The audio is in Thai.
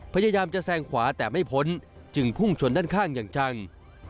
พยายามจะแซงขวาแต่ไม่พ้นจึงพุ่งชนด้านข้างอย่างจัง